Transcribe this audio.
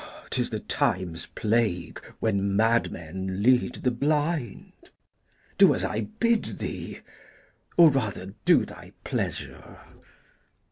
Glou. 'Tis the time's plague when madmen lead the blind. Do as I bid thee, or rather do thy pleasure.